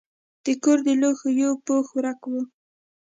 د کور د لوښو یو پوښ ورک و.